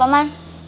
terima kasih pak mat